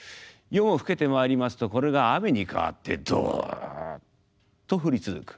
夜も更けてまいりますとこれが雨に変わってドッと降り続く。